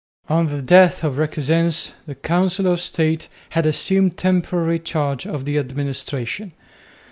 On the death of Requesens the Council of State had assumed temporary charge of the administration.